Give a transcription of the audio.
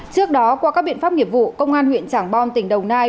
trước đó qua các biện pháp nghiệp vụ công an huyện trảng bom tỉnh đồng nai